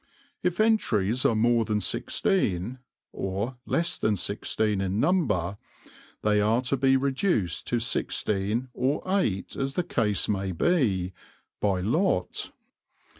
If entries are more than sixteen, or less than sixteen in number, they are to be reduced to sixteen or eight as the case may be, by lot.